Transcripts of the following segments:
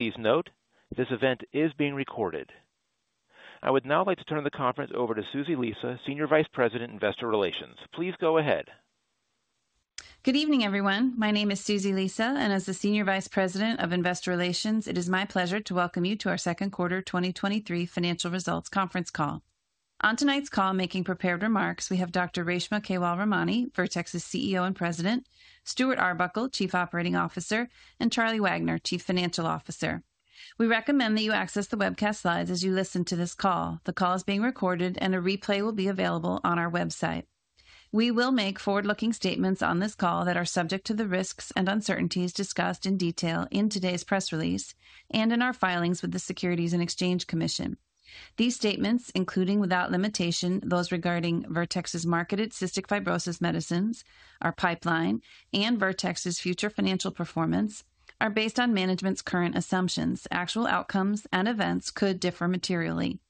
Please note, this event is being recorded. I would now like to turn the conference over to Susie Lisa, Senior Vice President, Investor Relations. Please go ahead. Good evening, everyone. My name is Susie Lisa, and as the Senior Vice President of Investor Relations, it is my pleasure to welcome you to our second quarter 2023 financial results conference call. On tonight's call, making prepared remarks, we have Dr. Reshma Kewalramani, Vertex's CEO and President, Stuart Arbuckle, Chief Operating Officer, and Charles Wagner, Chief Financial Officer. We recommend that you access the webcast slides as you listen to this call. The call is being recorded, and a replay will be available on our website. We will make forward-looking statements on this call that are subject to the risks and uncertainties discussed in detail in today's press release and in our filings with the Securities and Exchange Commission. These statements, including without limitation, those regarding Vertex's marketed cystic fibrosis medicines, our pipeline, and Vertex's future financial performance, are based on management's current assumptions. Actual outcomes and events could differ materially.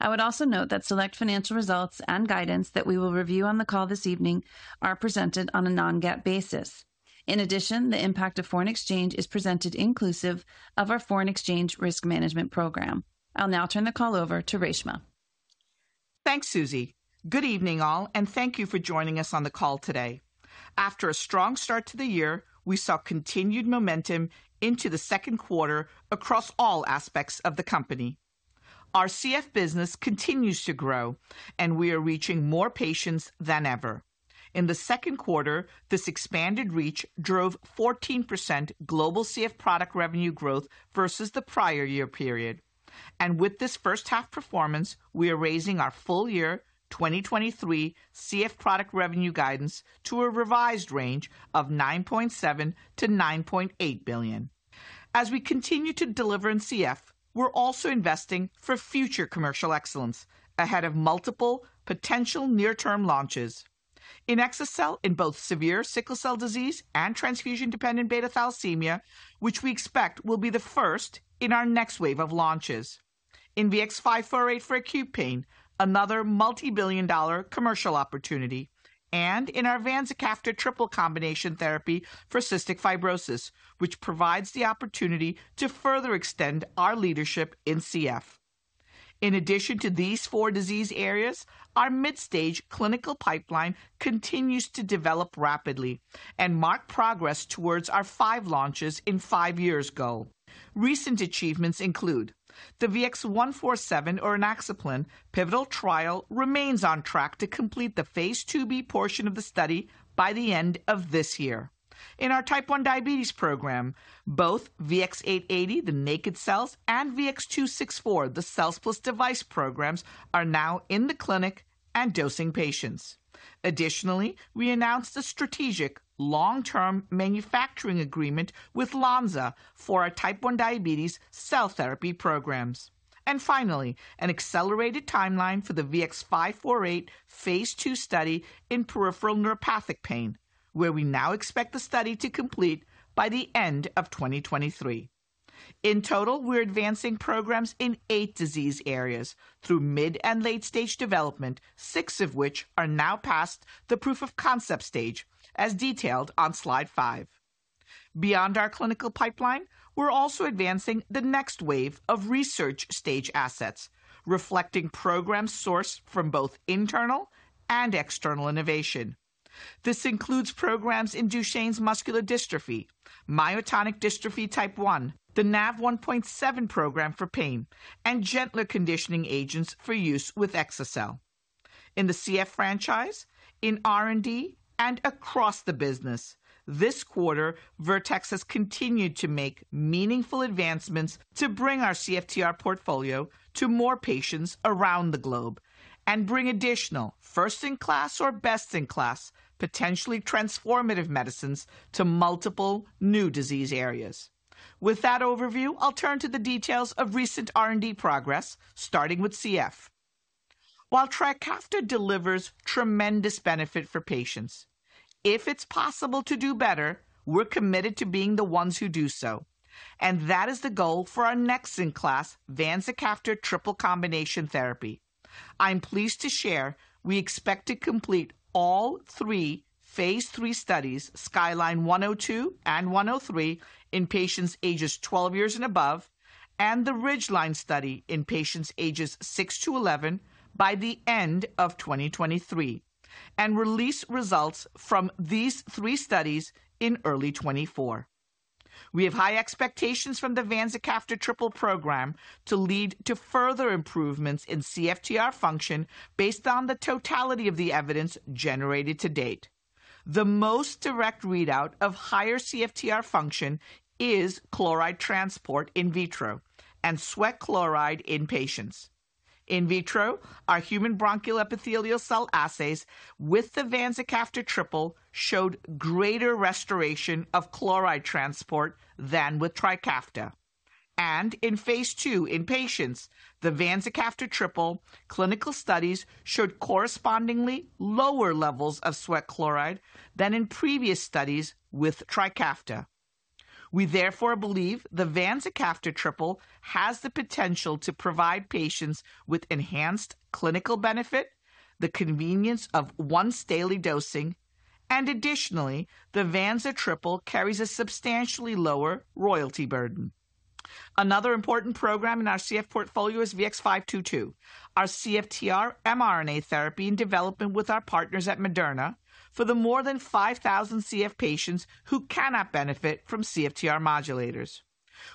I would also note that select financial results and guidance that we will review on the call this evening are presented on a non-GAAP basis. In addition, the impact of foreign exchange is presented inclusive of our foreign exchange risk management program. I'll now turn the call over to Reshma. Thanks, Susie. Good evening, all, and thank you for joining us on the call today. After a strong start to the year, we saw continued momentum into the second quarter across all aspects of the company. Our CF business continues to grow. We are reaching more patients than ever. In the second quarter, this expanded reach drove 14% global CF product revenue growth versus the prior year period. With this first half performance, we are raising our full year 2023 CF product revenue guidance to a revised range of $9.7 billion-$9.8 billion. As we continue to deliver in CF, we're also investing for future commercial excellence ahead of multiple potential near-term launches. In exa-cel, in both severe sickle cell disease and transfusion-dependent beta thalassemia, which we expect will be the first in our next wave of launches. In VX-548 for acute pain, another multibillion-dollar commercial opportunity, and in our vanzacaftor triple combination therapy for cystic fibrosis, which provides the opportunity to further extend our leadership in CF. In addition to these four disease areas, our mid-stage clinical pipeline continues to develop rapidly and mark progress towards our five launches in five years goal. Recent achievements include the VX-147, or inaxaplin, pivotal trial remains on track to complete the Phase 2B portion of the study by the end of this year. In our Type 1 diabetes program, both VX-880, the naked cells, and VX-264, the cells plus device programs, are now in the clinic and dosing patients. Additionally, we announced a strategic long-term manufacturing agreement with Lonza for our Type 1 diabetes cell therapy programs. Finally, an accelerated timeline for the VX-548 phase 2 study in peripheral neuropathic pain, where we now expect the study to complete by the end of 2023. In total, we're advancing programs in eight disease areas through mid and late-stage development, six of which are now past the proof of concept stage, as detailed on slide five. Beyond our clinical pipeline, we're also advancing the next wave of research stage assets, reflecting programs sourced from both internal and external innovation. This includes programs in Duchenne muscular dystrophy, myotonic dystrophy type 1, the Nav1.7 program for pain, and gentler conditioning agents for use with exa-cel. In the CF franchise, in R&D, and across the business, this quarter, Vertex has continued to make meaningful advancements to bring our CFTR portfolio to more patients around the globe and bring additional first-in-class or best-in-class, potentially transformative medicines to multiple new disease areas. With that overview, I'll turn to the details of recent R&D progress, starting with CF. While Trikafta delivers tremendous benefit for patients, if it's possible to do better, we're committed to being the ones who do so, and that is the goal for our next-in-class Vanzacaftor triple combination therapy. I'm pleased to share we expect to complete all 3 phase 3 studies, SKYLINE 102 and SKYLINE 103 in patients ages 12 years and above, and the RIDGELINE study in patients ages 6 to 11 by the end of 2023. Release results from these 3 studies in early 2024. We have high expectations from the vanzacaftor triple program to lead to further improvements in CFTR function based on the totality of the evidence generated to date. The most direct readout of higher CFTR function is chloride transport in vitro and sweat chloride in patients. In vitro, our human bronchial epithelial cell assays with the vanzacaftor triple showed greater restoration of chloride transport than with Trikafta. In phase 2 in patients, the vanzacaftor triple clinical studies showed correspondingly lower levels of sweat chloride than in previous studies with Trikafta. We therefore believe the vanzacaftor triple has the potential to provide patients with enhanced clinical benefit, the convenience of once daily dosing. Additionally, the vanza triple carries a substantially lower royalty burden. Another important program in our CF portfolio is VX-522, our CFTR mRNA therapy in development with our partners at Moderna for the more than 5,000 CF patients who cannot benefit from CFTR modulators.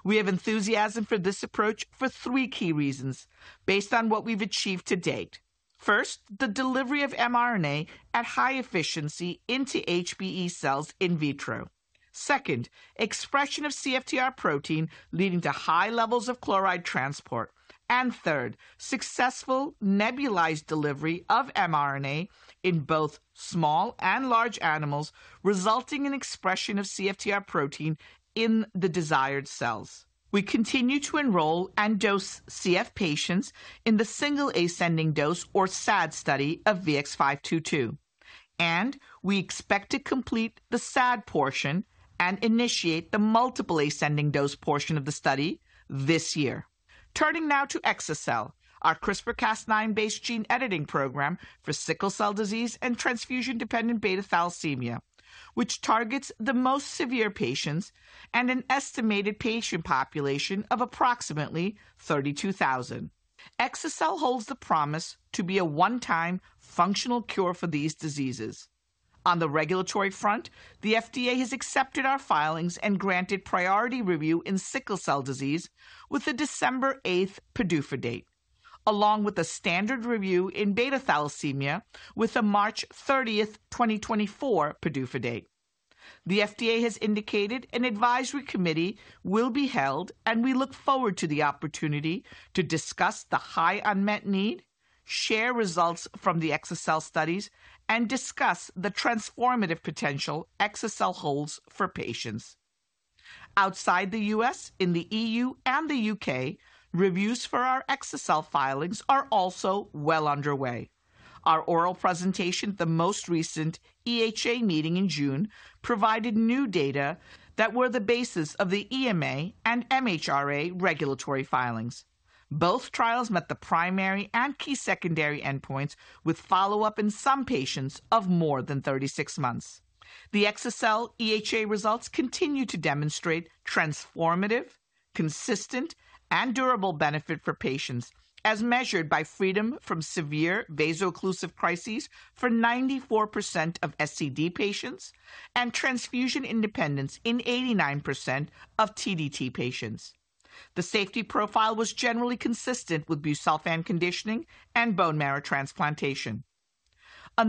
We have enthusiasm for this approach for three key reasons, based on what we've achieved to date. First, the delivery of mRNA at high efficiency into HBE cells in vitro. Second, expression of CFTR protein leading to high levels of chloride transport. Third, successful nebulized delivery of mRNA in both small and large animals, resulting in expression of CFTR protein in the desired cells. We continue to enroll and dose CF patients in the single ascending dose or SAD study of VX-522, and we expect to complete the SAD portion and initiate the multiple ascending dose portion of the study this year. Turning now to exa-cel, our CRISPR-Cas9 base gene editing program for sickle cell disease and transfusion-dependent beta thalassemia, which targets the most severe patients and an estimated patient population of approximately 32,000. Exa-cel holds the promise to be a one-time functional cure for these diseases. On the regulatory front, the FDA has accepted our filings and granted priority review in sickle cell disease with a December 8th PDUFA date, along with a standard review in beta thalassemia with a March 30th, 2024 PDUFA date. The FDA has indicated an advisory committee will be held, and we look forward to the opportunity to discuss the high unmet need, share results from the exa-cel studies, and discuss the transformative potential exa-cel holds for patients. Outside the US, in the EU and the UK, reviews for our exa-cel filings are also well underway. Our oral presentation at the most recent EHA meeting in June, provided new data that were the basis of the EMA and MHRA regulatory filings. Both trials met the primary and key secondary endpoints with follow-up in some patients of more than 36 months. The exa-cel EHA results continue to demonstrate transformative, consistent, and durable benefit for patients, as measured by freedom from severe vaso-occlusive crises for 94% of SCD patients and transfusion independence in 89% of TDT patients. The safety profile was generally consistent with busulfan conditioning and bone marrow transplantation. The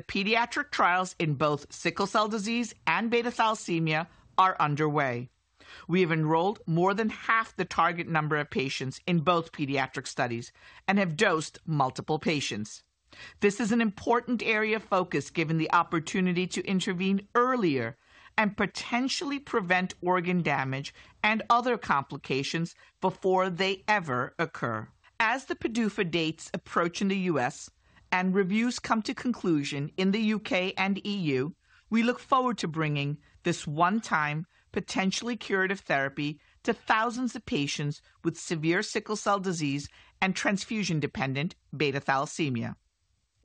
pediatric trials in both sickle cell disease and beta thalassemia are underway. We have enrolled more than half the target number of patients in both pediatric studies and have dosed multiple patients. This is an important area of focus, given the opportunity to intervene earlier and potentially prevent organ damage and other complications before they ever occur. As the PDUFA dates approach in the US and reviews come to conclusion in the UK and EU, we look forward to bringing this one-time, potentially curative therapy to thousands of patients with severe sickle cell disease and transfusion-dependent beta thalassemia.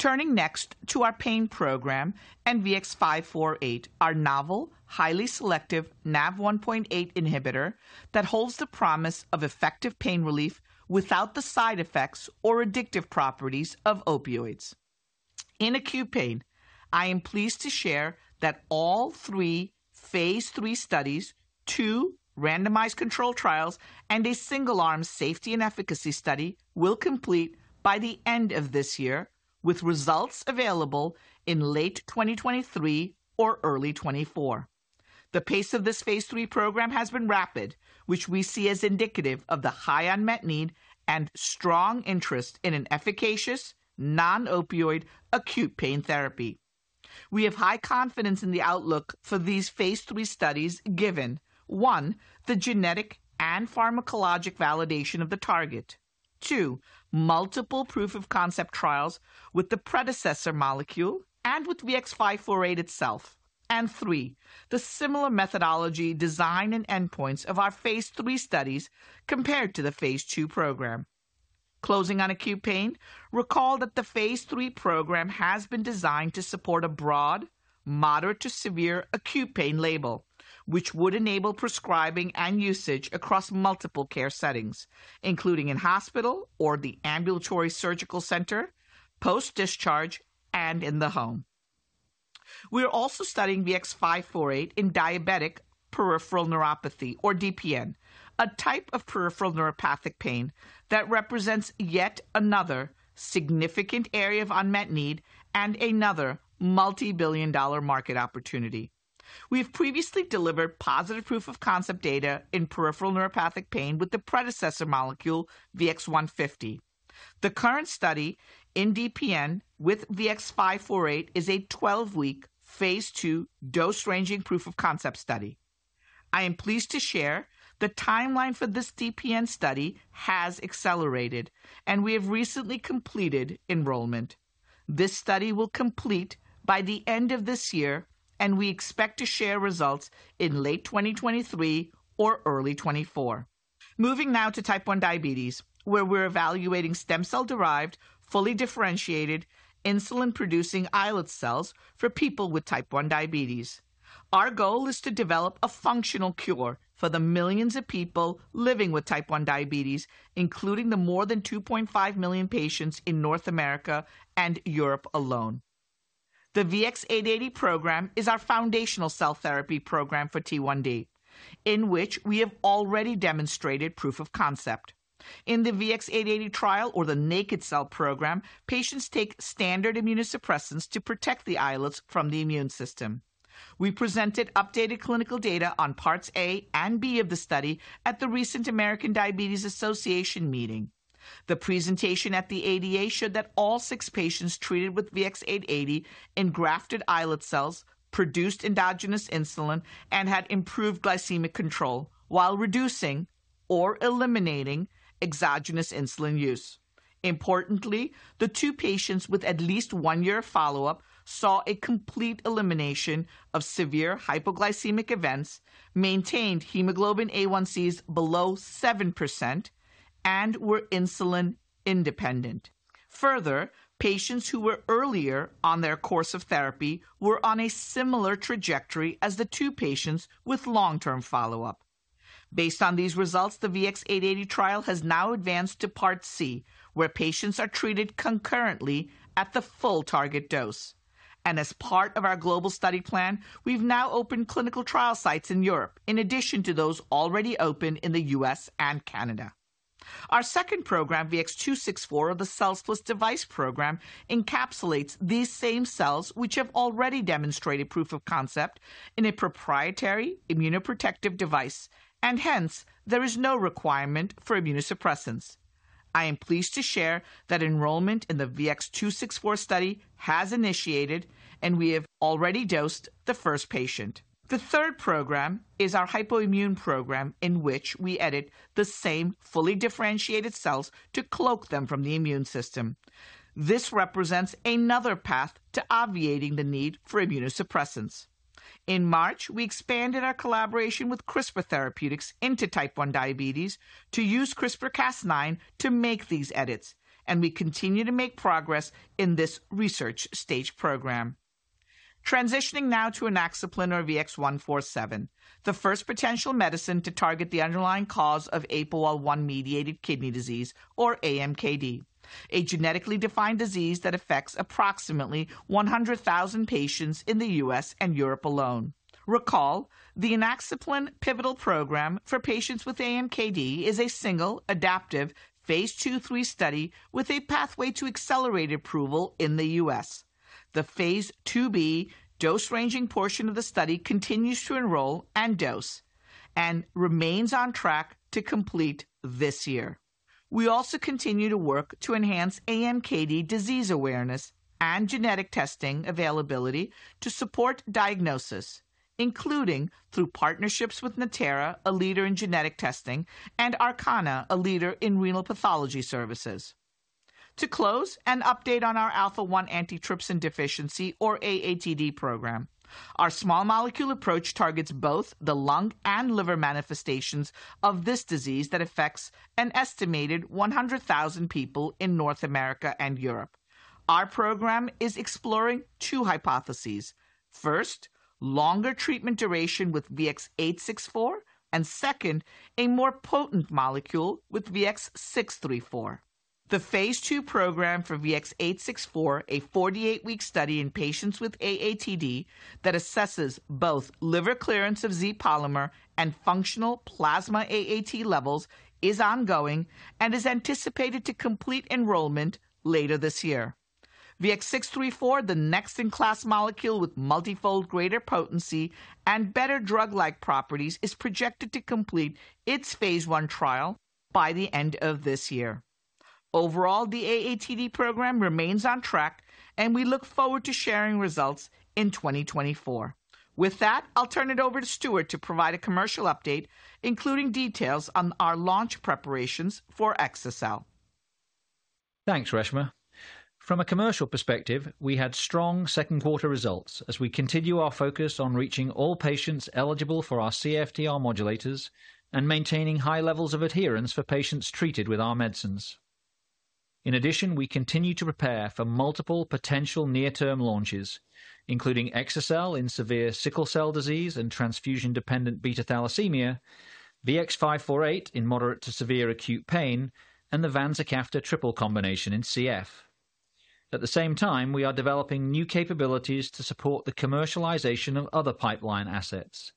Turning next to our pain program and VX-548, our novel, highly selective NaV1.8 inhibitor that holds the promise of effective pain relief without the side effects or addictive properties of opioids. In acute pain, I am pleased to share that all 3 phase 3 studies, 2 randomized controlled trials, and a single-arm safety and efficacy study, will complete by the end of this year, with results available in late 2023 or early 2024. The pace of this phase 3 program has been rapid, which we see as indicative of the high unmet need and strong interest in an efficacious, non-opioid acute pain therapy. We have high confidence in the outlook for these phase 3 studies, given, 1, the genetic and pharmacologic validation of the target. 2, multiple proof of concept trials with the predecessor molecule and with VX-548 itself. 3, the similar methodology, design, and endpoints of our phase 3 studies compared to the phase 2 program. Closing on acute pain, recall that the phase 3 program has been designed to support a broad, moderate to severe acute pain label, which would enable prescribing and usage across multiple care settings, including in hospital or the ambulatory surgical center, post-discharge, and in the home. We are also studying VX-548 in diabetic peripheral neuropathy or DPN, a type of peripheral neuropathic pain that represents yet another significant area of unmet need and another multibillion-dollar market opportunity. We have previously delivered positive proof of concept data in peripheral neuropathic pain with the predecessor molecule, VX-150. The current study in DPN with VX-548 is a 12-week, phase 2 dose-ranging proof of concept study. I am pleased to share the timeline for this DPN study has accelerated, and we have recently completed enrollment.... This study will complete by the end of this year, and we expect to share results in late 2023 or early 2024. Moving now to type 1 diabetes, where we're evaluating stem cell-derived, fully differentiated insulin-producing islet cells for people with type 1 diabetes. Our goal is to develop a functional cure for the millions of people living with type 1 diabetes, including the more than 2.5 million patients in North America and Europe alone. The VX-880 program is our foundational cell therapy program for T1D, in which we have already demonstrated proof of concept. In the VX-880 trial, or the naked cell program, patients take standard immunosuppressants to protect the islets from the immune system. We presented updated clinical data on parts A and B of the study at the recent American Diabetes Association meeting. The presentation at the ADA showed that all six patients treated with VX-880 engrafted islet cells, produced endogenous insulin, and had improved glycemic control while reducing or eliminating exogenous insulin use. Importantly, the 2 patients with at least 1 year of follow-up saw a complete elimination of severe hypoglycemic events, maintained hemoglobin A1cs below 7%, and were insulin independent. Further, patients who were earlier on their course of therapy were on a similar trajectory as the 2 patients with long-term follow-up. Based on these results, the VX-880 trial has now advanced to part C, where patients are treated concurrently at the full target dose. As part of our global study plan, we've now opened clinical trial sites in Europe, in addition to those already open in the U.S. and Canada. Our second program, VX-264, or the cells plus device program, encapsulates these same cells, which have already demonstrated proof of concept in a proprietary immunoprotective device, and hence, there is no requirement for immunosuppressants. I am pleased to share that enrollment in the VX-264 study has initiated, and we have already dosed the first patient. The third program is our hypoimmune program, in which we edit the same fully differentiated cells to cloak them from the immune system. This represents another path to obviating the need for immunosuppressants. In March, we expanded our collaboration with CRISPR Therapeutics into type 1 diabetes to use CRISPR-Cas9 to make these edits, and we continue to make progress in this research stage program. Transitioning now to inaxaplin or VX-147, the first potential medicine to target the underlying cause of APOL1-mediated kidney disease or AMKD, a genetically defined disease that affects approximately 100,000 patients in the US and Europe alone. Recall, the inaxaplin pivotal program for patients with AMKD is a single adaptive Phase 2/3 study with a pathway to accelerated approval in the US. The Phase 2B dose-ranging portion of the study continues to enroll and dose and remains on track to complete this year. We also continue to work to enhance AMKD disease awareness and genetic testing availability to support diagnosis, including through partnerships with Natera, a leader in genetic testing, and Arkana, a leader in renal pathology services. To close, an update on our alpha-1 antitrypsin deficiency, or AATD, program. Our small molecule approach targets both the lung and liver manifestations of this disease that affects an estimated 100,000 people in North America and Europe. Our program is exploring two hypotheses. First, longer treatment duration with VX-864, and second, a more potent molecule with VX-634. The Phase 2 program for VX-864, a 48-week study in patients with AATD that assesses both liver clearance of Z-polymer and functional plasma AAT levels, is ongoing and is anticipated to complete enrollment later this year. VX-634, the next-in-class molecule with multifold greater potency and better drug-like properties, is projected to complete its Phase 1 trial by the end of this year. Overall, the AATD program remains on track, and we look forward to sharing results in 2024. With that, I'll turn it over to Stuart to provide a commercial update, including details on our launch preparations for exa-cel. Thanks, Reshma. From a commercial perspective, we had strong second quarter results as we continue our focus on reaching all patients eligible for our CFTR modulators and maintaining high levels of adherence for patients treated with our medicines. We continue to prepare for multiple potential near-term launches, including exa-cel in severe sickle cell disease and transfusion-dependent beta thalassemia, VX-548 in moderate to severe acute pain, and the vanzacaftor triple combination in CF. At the same time, we are developing new capabilities to support the commercialization of other pipeline assets,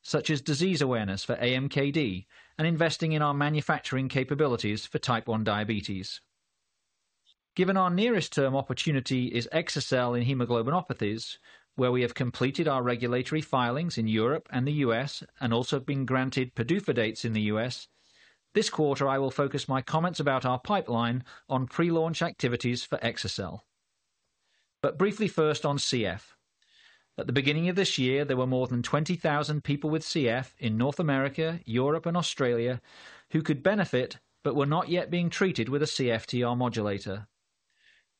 such as disease awareness for AMKD and investing in our manufacturing capabilities for type one diabetes. Given our nearest term opportunity is exa-cel in hemoglobinopathies, where we have completed our regulatory filings in Europe and the US and also been granted PDUFA dates in the US, this quarter, I will focus my comments about our pipeline on pre-launch activities for exa-cel. Briefly, first on CF. At the beginning of this year, there were more than 20,000 people with CF in North America, Europe, and Australia who could benefit, but were not yet being treated with a CFTR modulator.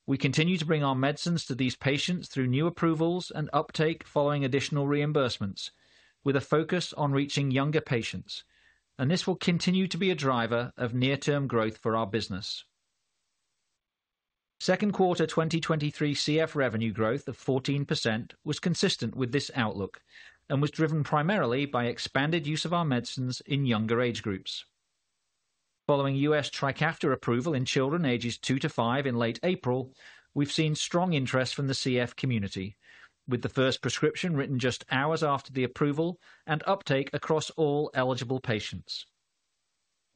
We continue to bring our medicines to these patients through new approvals and uptake following additional reimbursements, with a focus on reaching younger patients, and this will continue to be a driver of near-term growth for our business. Second quarter 2023 CF revenue growth of 14% was consistent with this outlook and was driven primarily by expanded use of our medicines in younger age groups. Following U.S. Trikafta approval in children ages 2 to 5 in late April, we've seen strong interest from the CF community, with the first prescription written just hours after the approval and uptake across all eligible patients.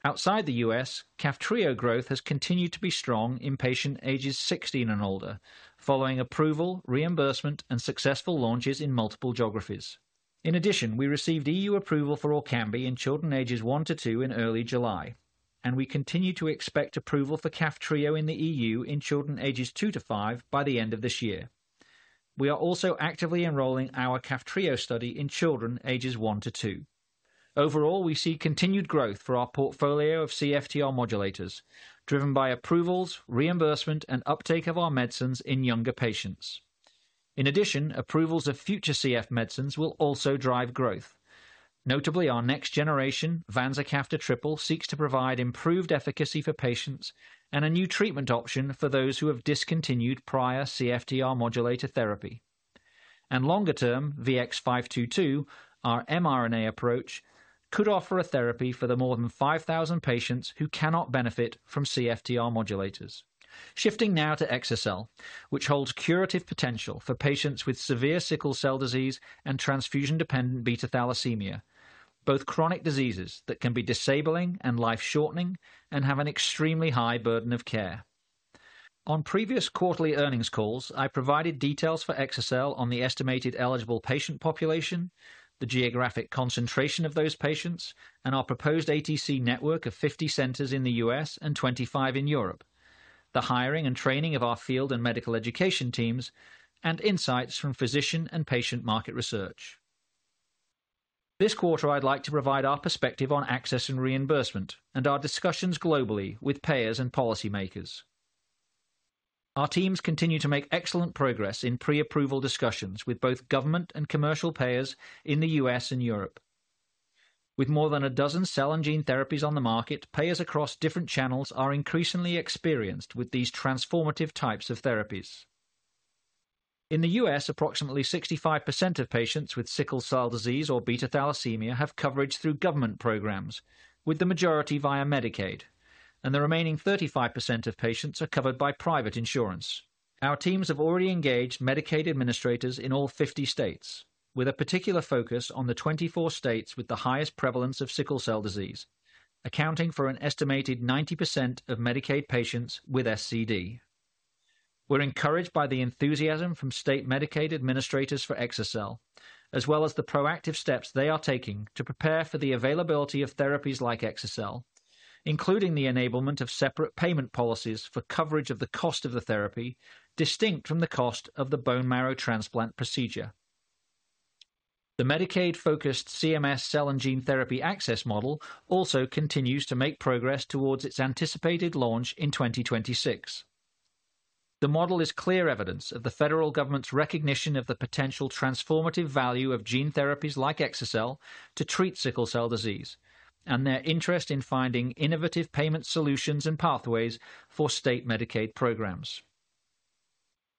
Outside the U.S., Kaftrio growth has continued to be strong in patients ages 16 and older, following approval, reimbursement, and successful launches in multiple geographies. In addition, we received EU approval for Orkambi in children ages 1 to 2 in early July, and we continue to expect approval for Kaftrio in the EU in children ages 2 to 5 by the end of this year. We are also actively enrolling our Kaftrio study in children ages 1 to 2. Overall, we see continued growth for our portfolio of CFTR modulators, driven by approvals, reimbursement, and uptake of our medicines in younger patients. In addition, approvals of future CF medicines will also drive growth. Notably, our next generation, vanzacaftor triple, seeks to provide improved efficacy for patients and a new treatment option for those who have discontinued prior CFTR modulator therapy. Longer-term, VX-522, our mRNA approach, could offer a therapy for the more than 5,000 patients who cannot benefit from CFTR modulators. Shifting now to exa-cel, which holds curative potential for patients with severe sickle cell disease and transfusion-dependent beta thalassemia, both chronic diseases that can be disabling and life-shortening and have an extremely high burden of care. On previous quarterly earnings calls, I provided details for exa-cel on the estimated eligible patient population, the geographic concentration of those patients, our proposed ATC network of 50 centers in the US and 25 in Europe, the hiring and training of our field and medical education teams, and insights from physician and patient market research. This quarter, I'd like to provide our perspective on access and reimbursement and our discussions globally with payers and policymakers. Our teams continue to make excellent progress in pre-approval discussions with both government and commercial payers in the US and Europe. With more than a dozen cell and gene therapies on the market, payers across different channels are increasingly experienced with these transformative types of therapies. In the US, approximately 65% of patients with sickle cell disease or beta thalassemia have coverage through government programs, with the majority via Medicaid, and the remaining 35% of patients are covered by private insurance. Our teams have already engaged Medicaid administrators in all 50 states, with a particular focus on the 24 states with the highest prevalence of sickle cell disease, accounting for an estimated 90% of Medicaid patients with SCD. We're encouraged by the enthusiasm from state Medicaid administrators for exa-cel, as well as the proactive steps they are taking to prepare for the availability of therapies like exa-cel, including the enablement of separate payment policies for coverage of the cost of the therapy, distinct from the cost of the bone marrow transplant procedure. The Medicaid-focused CMS Cell and Gene Therapy Access Model also continues to make progress towards its anticipated launch in 2026. The model is clear evidence of the federal government's recognition of the potential transformative value of gene therapies like exa-cel to treat sickle cell disease and their interest in finding innovative payment solutions and pathways for state Medicaid programs.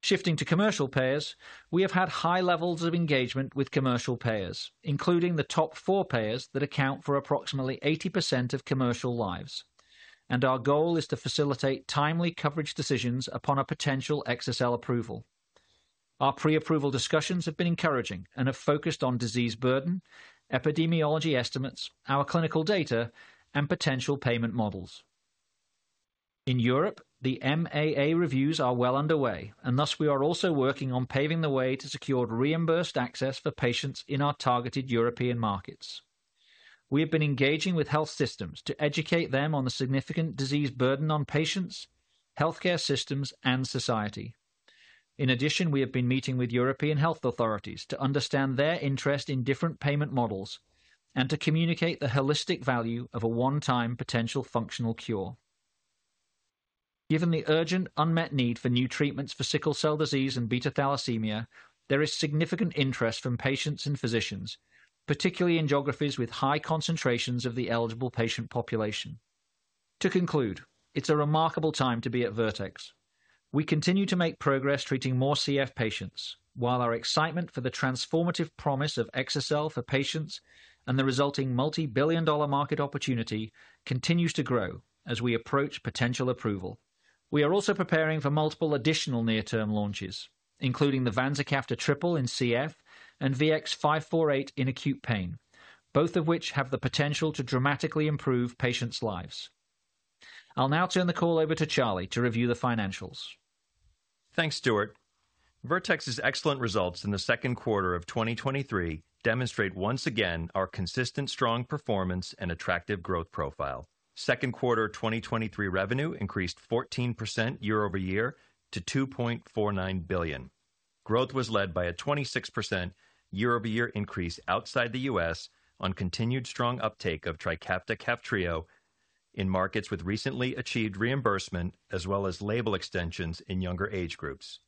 Shifting to commercial payers, we have had high levels of engagement with commercial payers, including the top four payers that account for approximately 80% of commercial lives, and our goal is to facilitate timely coverage decisions upon a potential exa-cel approval. Our pre-approval discussions have been encouraging and have focused on disease burden, epidemiology estimates, our clinical data, and potential payment models. In Europe, the MAA reviews are well underway, and thus we are also working on paving the way to secured reimbursed access for patients in our targeted European markets. We have been engaging with health systems to educate them on the significant disease burden on patients, healthcare systems, and society. In addition, we have been meeting with European health authorities to understand their interest in different payment models and to communicate the holistic value of a one-time potential functional cure. Given the urgent, unmet need for new treatments for sickle cell disease and beta thalassemia, there is significant interest from patients and physicians, particularly in geographies with high concentrations of the eligible patient population. To conclude, it's a remarkable time to be at Vertex. We continue to make progress treating more CF patients, while our excitement for the transformative promise of exa-cel for patients and the resulting multi-billion-dollar market opportunity continues to grow as we approach potential approval. We are also preparing for multiple additional near-term launches, including the vanzacaftor triple in CF and VX-548 in acute pain, both of which have the potential to dramatically improve patients' lives. I'll now turn the call over to Charlie to review the financials. Thanks, Stuart. Vertex's excellent results in the second quarter of 2023 demonstrate once again our consistent strong performance and attractive growth profile. Second quarter 2023 revenue increased 14% year-over-year to $2.49 billion. Growth was led by a 26% year-over-year increase outside the US on continued strong uptake of Trikafta/Kaftrio in markets with recently achieved reimbursement, as well as label extensions in younger age groups.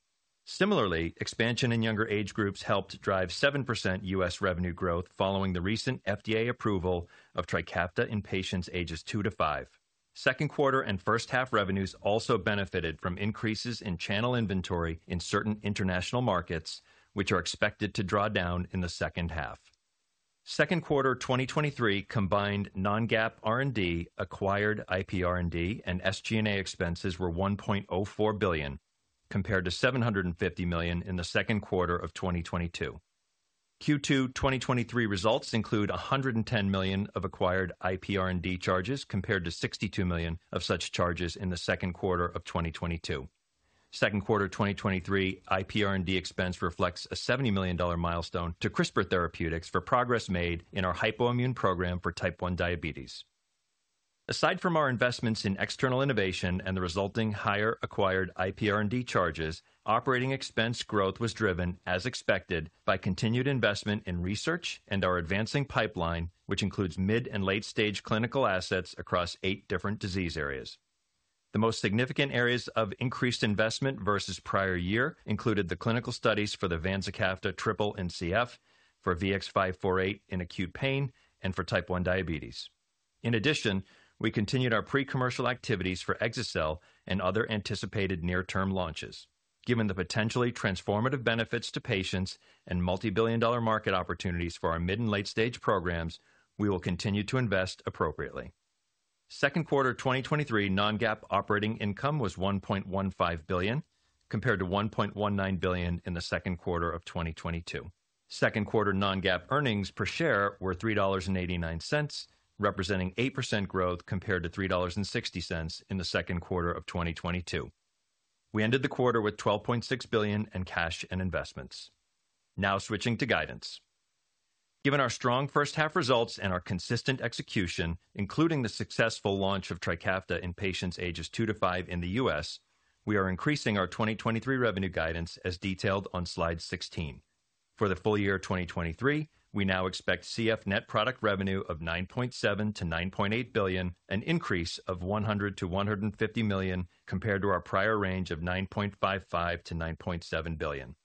Similarly, expansion in younger age groups helped drive 7% US revenue growth following the recent FDA approval of Trikafta in patients ages two to five. Second quarter and first half revenues also benefited from increases in channel inventory in certain international markets, which are expected to draw down in the second half. Second quarter 2023 combined non-GAAP, R&D, acquired IP R&D, and SG&A expenses were $1.04 billion, compared to $750 million in the second quarter of 2022. Q2 2023 results include $110 million of acquired IP R&D charges, compared to $62 million of such charges in the second quarter of 2022. Second quarter 2023 IP R&D expense reflects a $70 million milestone to CRISPR Therapeutics for progress made in our hypoimmune program for Type 1 diabetes. Aside from our investments in external innovation and the resulting higher acquired IP R&D charges, operating expense growth was driven, as expected, by continued investment in research and our advancing pipeline, which includes mid and late-stage clinical assets across eight different disease areas. The most significant areas of increased investment versus prior year included the clinical studies for the vanza triple in CF, for VX-548 in acute pain, and for Type 1 diabetes. We continued our pre-commercial activities for exa-cel and other anticipated near-term launches. Given the potentially transformative benefits to patients and multi-billion-dollar market opportunities for our mid and late-stage programs, we will continue to invest appropriately. Second quarter 2023 non-GAAP operating income was $1.15 billion, compared to $1.19 billion in the second quarter of 2022. Second quarter non-GAAP earnings per share were $3.89, representing 8% growth compared to $3.60 in the second quarter of 2022. We ended the quarter with $12.6 billion in cash and investments. Switching to guidance. Given our strong first half results and our consistent execution, including the successful launch of Trikafta in patients ages 2 to 5 in the US, we are increasing our 2023 revenue guidance as detailed on slide 16. For the full year 2023, we now expect CF net product revenue of $9.7 billion-$9.8 billion, an increase of $100 million-$150 million compared to our prior range of $9.55 billion-$9.7 billion.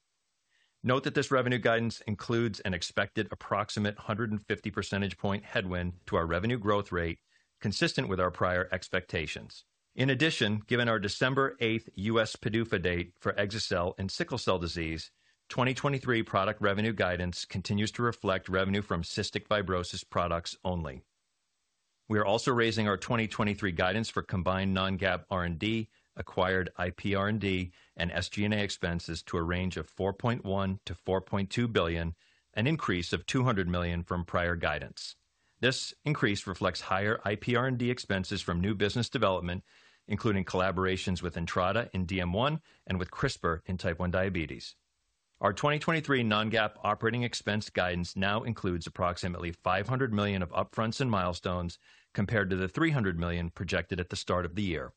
Note that this revenue guidance includes an expected approximate 150 percentage point headwind to our revenue growth rate, consistent with our prior expectations. In addition, given our December 8th US PDUFA date for exa-cel and sickle cell disease, 2023 product revenue guidance continues to reflect revenue from cystic fibrosis products only. We are also raising our 2023 guidance for combined non-GAAP, R&D, acquired IP R&D, and SG&A expenses to a range of $4.1 billion-$4.2 billion, an increase of $200 million from prior guidance. This increase reflects higher IP R&D expenses from new business development, including collaborations with Entrada in DM1 and with CRISPR in type 1 diabetes. Our 2023 non-GAAP operating expense guidance now includes approximately $500 million of upfronts and milestones, compared to the $300 million projected at the start of the year.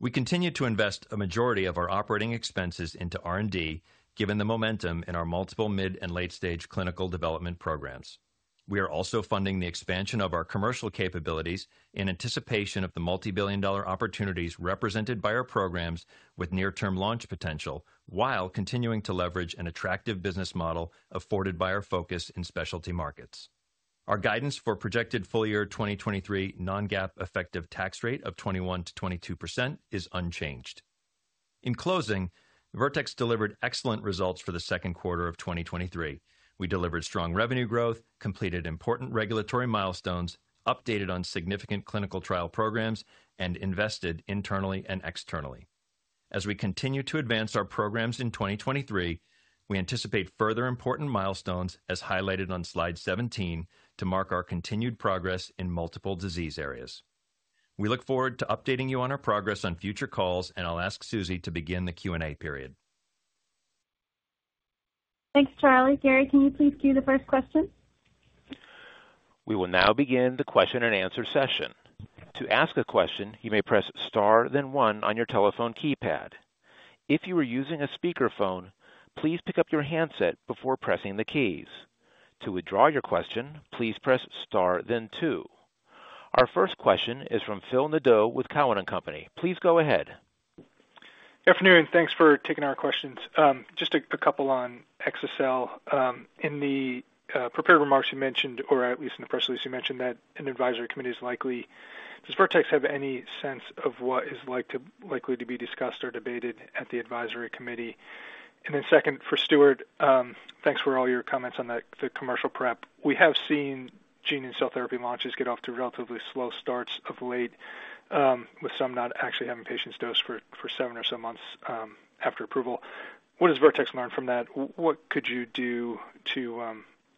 We continue to invest a majority of our operating expenses into R&D, given the momentum in our multiple mid and late-stage clinical development programs. We are also funding the expansion of our commercial capabilities in anticipation of the multibillion-dollar opportunities represented by our programs with near-term launch potential, while continuing to leverage an attractive business model afforded by our focus in specialty markets. Our guidance for projected full year 2023 non-GAAP effective tax rate of 21%-22% is unchanged. In closing, Vertex delivered excellent results for the second quarter of 2023. We delivered strong revenue growth, completed important regulatory milestones, updated on significant clinical trial programs, and invested internally and externally. As we continue to advance our programs in 2023, we anticipate further important milestones, as highlighted on slide 17, to mark our continued progress in multiple disease areas. We look forward to updating you on our progress on future calls, I'll ask Susie to begin the Q&A period. Thanks, Charlie. Terry, can you please cue the first question? We will now begin the question and answer session. To ask a question, you may press star then one on your telephone keypad. If you are using a speakerphone, please pick up your handset before pressing the keys. To withdraw your question, please press star then two. Our first question is from Phil Nadeau with Cowen and Company. Please go ahead. Good afternoon, thanks for taking our questions. Just a couple on exa-cel. In the prepared remarks you mentioned, or at least in the press release, you mentioned that an advisory committee is likely. Does Vertex have any sense of what is likely to be discussed or debated at the advisory committee? Second, for Stuart, thanks for all your comments on the commercial prep. We have seen gene and cell therapy launches get off to relatively slow starts of late, with some not actually having patients dosed for 7 or so months after approval. What has Vertex learned from that? What could you do to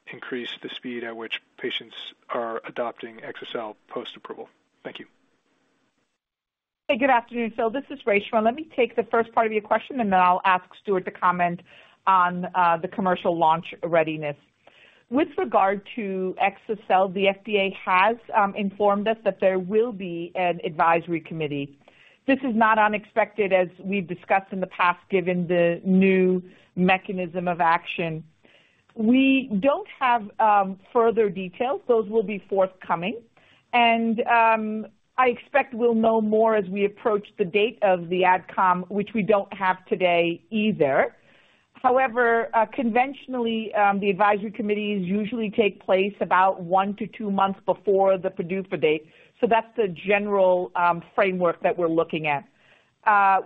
increase the speed at which patients are adopting exa-cel post-approval? Thank you. Hey, good afternoon, Phil. This is Reshma. Let me take the first part of your question, and then I'll ask Stuart to comment on the commercial launch readiness. With regard to exa-cel, the FDA has informed us that there will be an advisory committee. This is not unexpected, as we've discussed in the past, given the new mechanism of action. We don't have further details. Those will be forthcoming, and I expect we'll know more as we approach the date of the ad com, which we don't have today either. However, conventionally, the advisory committees usually take place about one to two months before the PDUFA date, so that's the general framework that we're looking at.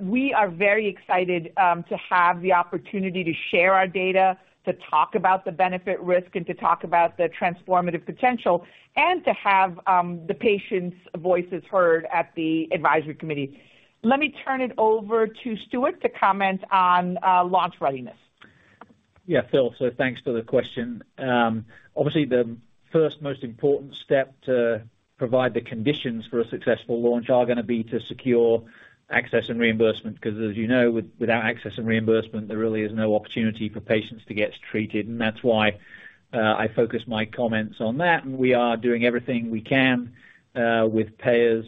We are very excited to have the opportunity to share our data, to talk about the benefit-risk, and to talk about the transformative potential, and to have the patients' voices heard at the advisory committee. Let me turn it over to Stuart to comment on launch readiness. Yeah, Phil, thanks for the question. Obviously, the first most important step to provide the conditions for a successful launch are gonna be to secure access and reimbursement. 'Cause as you know, without access and reimbursement, there really is no opportunity for patients to get treated, and that's why I focus my comments on that. We are doing everything we can with payers,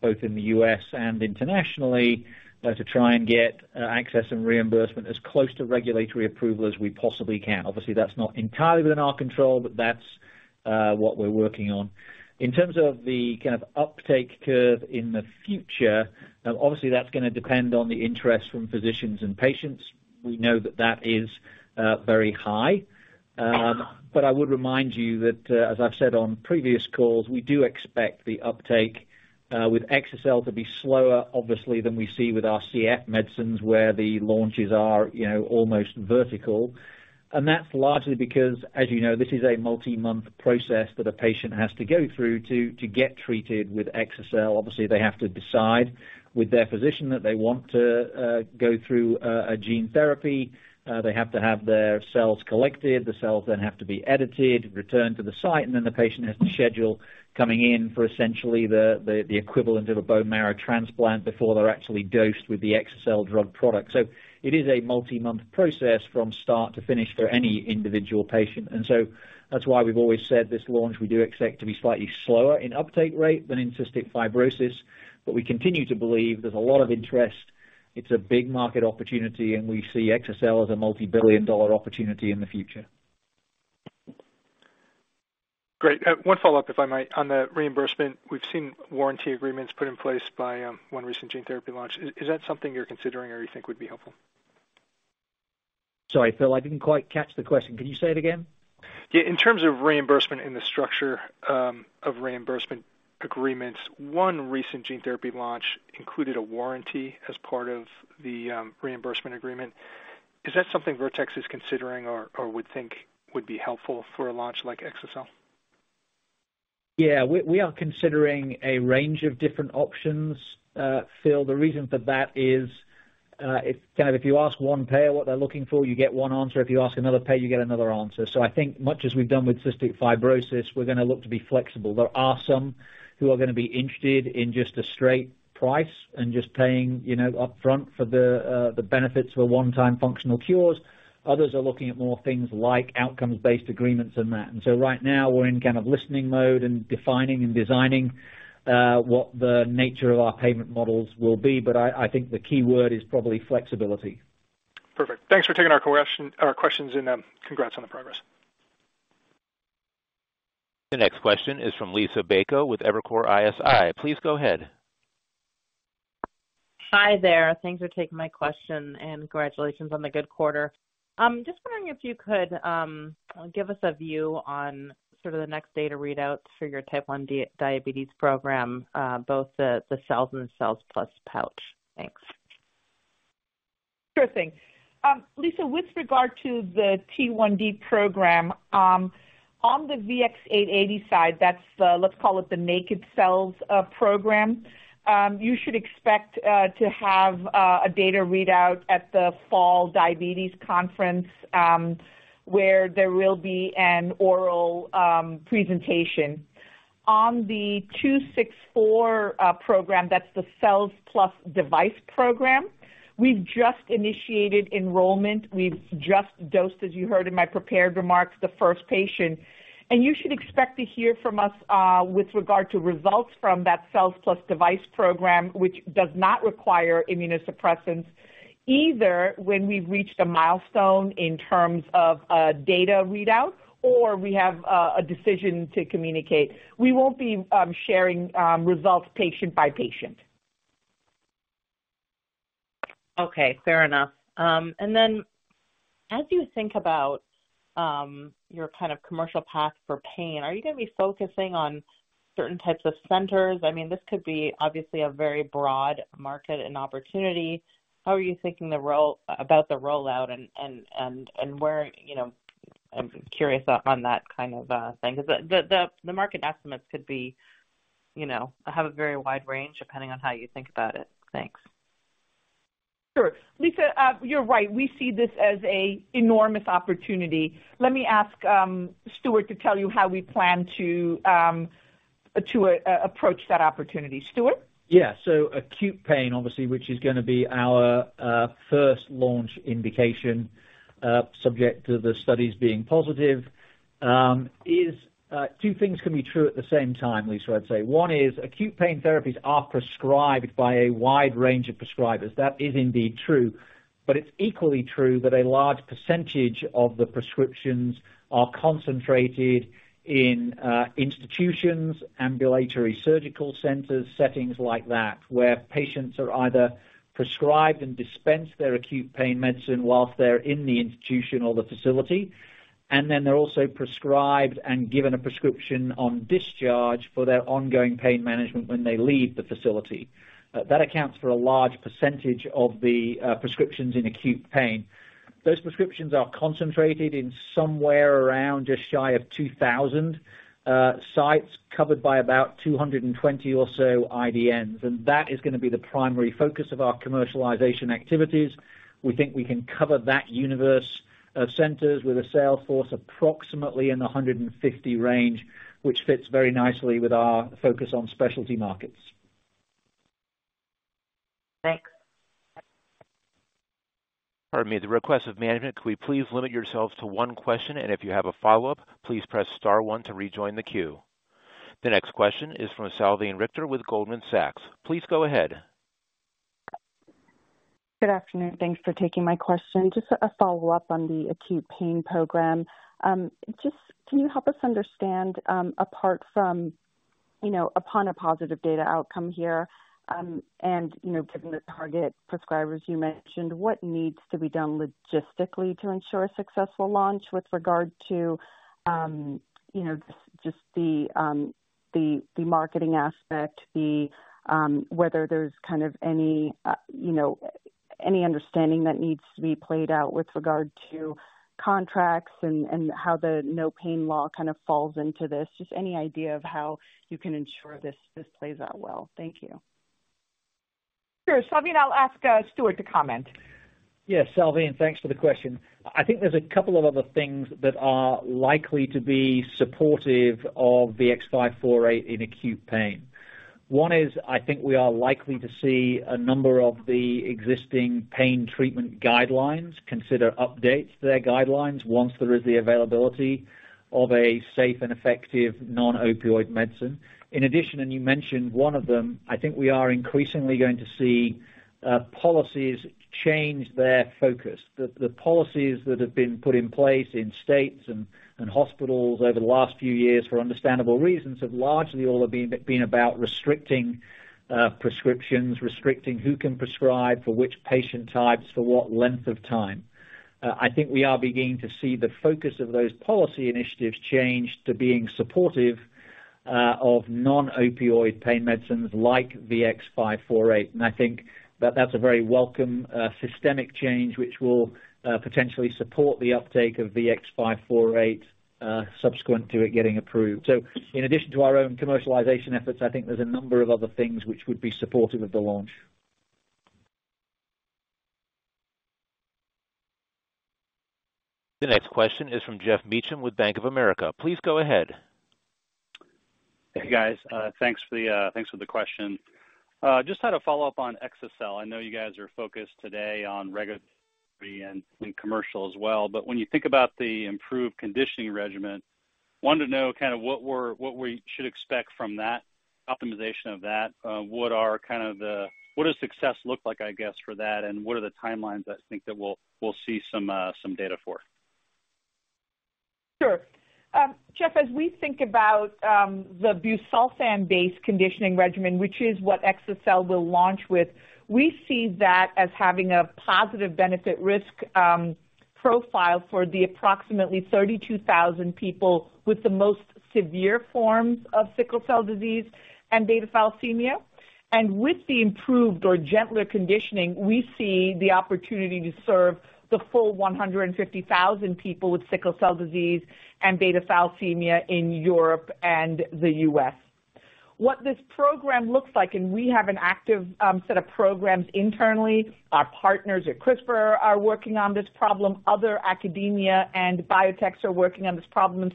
both in the US and internationally, to try and get access and reimbursement as close to regulatory approval as we possibly can. Obviously, that's not entirely within our control, that's what we're working on. In terms of the kind of uptake curve in the future, now, obviously, that's gonna depend on the interest from physicians and patients. We know that that is very high. I would remind you that, as I've said on previous calls, we do expect the uptake with exa-cel to be slower, obviously, than we see with our CF medicines, where the launches are, you know, almost vertical. That's largely because, as you know, this is a multi-month process that a patient has to go through to get treated with exa-cel. Obviously, they have to decide with their physician that they want to go through a gene therapy. They have to have their cells collected. The cells then have to be edited, returned to the site, and then the patient has to schedule coming in for essentially the equivalent of a bone marrow transplant before they're actually dosed with the exa-cel drug product. It is a multi-month process from start to finish for any individual patient. That's why we've always said this launch, we do expect to be slightly slower in uptake rate than in cystic fibrosis, but we continue to believe there's a lot of interest. It's a big market opportunity, and we see exa-cel as a multibillion-dollar opportunity in the future. Great. one follow-up, if I might. On the reimbursement, we've seen warranty agreements put in place by one recent gene therapy launch. Is that something you're considering or you think would be helpful? Sorry, Phil, I didn't quite catch the question. Can you say it again? Yeah. In terms of reimbursement and the structure of reimbursement agreements, one recent gene therapy launch included a warranty as part of the reimbursement agreement. Is that something Vertex is considering or, or would think would be helpful for a launch like exa-cel? Yeah, we, we are considering a range of different options, Phil. The reason for that is, it's kind of if you ask one payer what they're looking for, you get one answer. If you ask another payer, you get another answer. I think much as we've done with cystic fibrosis, we're gonna look to be flexible. There are some who are gonna be interested in just a straight price and just paying, you know, upfront for the benefits of a one-time functional cures. Others are looking at more things like outcomes-based agreements and that. Right now, we're in kind of listening mode and defining and designing what the nature of our payment models will be. I, I think the key word is probably flexibility. Perfect. Thanks for taking our questions, and congrats on the progress. The next question is from Liisa Bayko with Evercore ISI. Please go ahead. Hi there. Thanks for taking my question, and congratulations on the good quarter. Just wondering if you could give us a view on sort of the next data readouts for your Type 1 diabetes program, both the cells and cells plus pouch. Thanks. Sure thing. Lisa, with regard to the T1D program, on the VX-880 side, that's, let's call it the naked cells program, you should expect to have a data readout at the Fall Diabetes Conference, where there will be an oral presentation. On the 264 program, that's the cells plus device program, we've just initiated enrollment. We've just dosed, as you heard in my prepared remarks, the first patient. You should expect to hear from us with regard to results from that cells plus device program, which does not require immunosuppressants, either when we've reached a milestone in terms of a data readout or we have a decision to communicate. We won't be sharing results patient by patient. Okay, fair enough. As you think about your kind of commercial path for pain, are you gonna be focusing on certain types of centers? I mean, this could be obviously a very broad market and opportunity. How are you thinking about the rollout, and where? I'm curious on that kind of thing, because the market estimates could be have a very wide range, depending on how you think about it. Thanks. Sure. Liisa, you're right. We see this as an enormous opportunity. Let me ask Stuart to tell you how we plan to approach that opportunity. Stuart? Acute pain, obviously, which is going to be our first launch indication, subject to the studies being positive, is 2 things can be true at the same time, Liisa, I'd say. 1 is acute pain therapies are prescribed by a wide range of prescribers. That is indeed true, but it's equally true that a large % of the prescriptions are concentrated in institutions, ambulatory surgical centers, settings like that, where patients are either prescribed and dispense their acute pain medicine whilst they're in the institution or the facility, and then they're also prescribed and given a prescription on discharge for their ongoing pain management when they leave the facility. That accounts for a large % of the prescriptions in acute pain. Those prescriptions are concentrated in somewhere around just shy of 2,000 sites, covered by about 220 or so IDNs, that is going to be the primary focus of our commercialization activities. We think we can cover that universe of centers with a sales force approximately in the 150 range, which fits very nicely with our focus on specialty markets. Thanks. Pardon me. The request of management, could we please limit yourselves to one question, and if you have a follow-up, please press star one to rejoin the queue. The next question is from Salveen Richter with Goldman Sachs. Please go ahead. Good afternoon. Thanks for taking my question. Just a follow-up on the acute pain program. Just can you help us understand, apart from, you know, upon a positive data outcome here, and, you know, given the target prescribers you mentioned, what needs to be done logistically to ensure a successful launch with regard to, you know, just the marketing aspect, whether there's kind of any, you know, any understanding that needs to be played out with regard to contracts and how the No Pain Law kind of falls into this? Just any idea of how you can ensure this, this plays out well. Thank you. Sure. Salveen, I'll ask Stuart to comment. Yes, Salveen, thanks for the question. I think there's a couple of other things that are likely to be supportive of VX-548 in acute pain. One is, I think we are likely to see a number of the existing pain treatment guidelines consider updates to their guidelines once there is the availability of a safe and effective non-opioid medicine. In addition, and you mentioned one of them, I think we are increasingly going to see policies change their focus. The policies that have been put in place in states and hospitals over the last few years, for understandable reasons, have largely all been about restricting prescriptions, restricting who can prescribe for which patient types for what length of time. I think we are beginning to see the focus of those policy initiatives change to being supportive of non-opioid pain medicines like VX-548. I think that that's a very welcome systemic change, which will potentially support the uptake of VX-548 subsequent to it getting approved. In addition to our own commercialization efforts, I think there's a number of other things which would be supportive of the launch. The next question is from Geoff Meacham with Bank of America. Please go ahead. Hey, guys, thanks for the thanks for the question. Just had a follow-up on exa-cel. I know you guys are focused today on regulatory and commercial as well, but when you think about the improved conditioning regimen, wanted to know kind of what we should expect from that, optimization of that. What are kind of the What does success look like, I guess, for that, and what are the timelines I think that we'll see some some data for? Sure. Geoff, as we think about the busulfan-based conditioning regimen, which is what exa-cel will launch with, we see that as having a positive benefit risk profile for the approximately 32,000 people with the most severe forms of sickle cell disease and beta thalassemia. With the improved or gentler conditioning, we see the opportunity to serve the full 150,000 people with sickle cell disease and beta thalassemia in Europe and the U.S. What this program looks like, and we have an active set of programs internally. Our partners at CRISPR are working on this problem. Other academia and biotechs are working on this problem.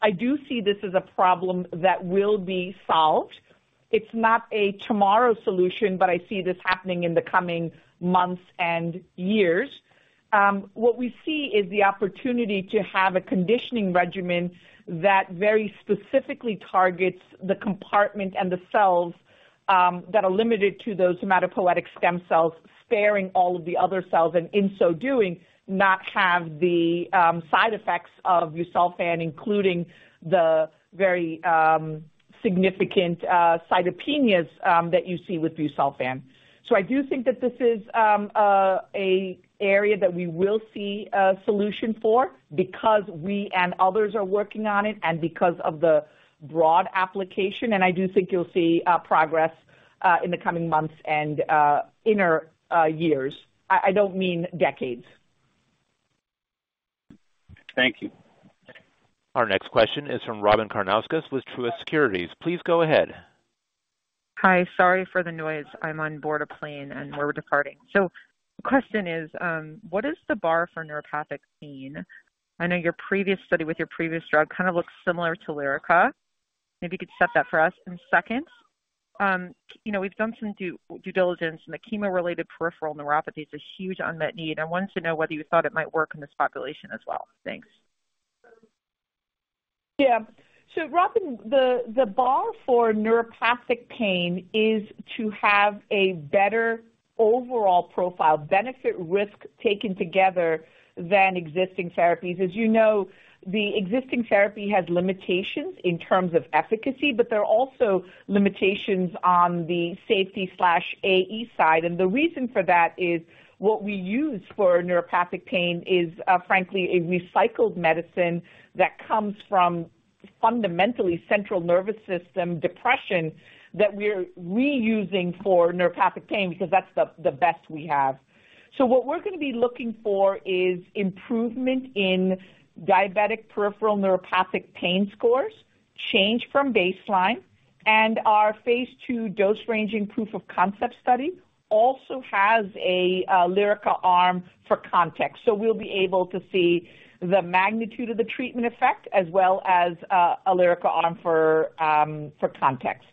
I do see this as a problem that will be solved. It's not a tomorrow solution, but I see this happening in the coming months and years. What we see is the opportunity to have a conditioning regimen that very specifically targets the compartment and the cells that are limited to those hematopoietic stem cells, sparing all of the other cells, and in so doing, not have the side effects of busulfan, including the very significant cytopenias that you see with busulfan. I do think that this is a area that we will see a solution for because we and others are working on it and because of the broad application, and I do think you'll see progress in the coming months and inner years. I, I don't mean decades. Thank you. Our next question is from Robyn Karnauskas with Truist Securities. Please go ahead.... Hi, sorry for the noise. I'm on board a plane, and we're departing. The question is, what is the bar for neuropathic pain? I know your previous study with your previous drug kind of looks similar to Lyrica. Maybe you could set that for us in seconds. You know, we've done some due diligence, and the chemo-related peripheral neuropathy is a huge unmet need. I wanted to know whether you thought it might work in this population as well. Thanks. Yeah. Robyn, the bar for neuropathic pain is to have a better overall profile, benefit, risk taken together than existing therapies. As you know, the existing therapy has limitations in terms of efficacy, but there are also limitations on the safety/AE side. The reason for that is what we use for neuropathic pain is frankly, a recycled medicine that comes from fundamentally central nervous system depression, that we're reusing for neuropathic pain, because that's the best we have. What we're going to be looking for is improvement in diabetic peripheral neuropathic pain scores, change from baseline, and our phase 2 dose-ranging proof of concept study also has a Lyrica arm for context. We'll be able to see the magnitude of the treatment effect as well as a Lyrica arm for context.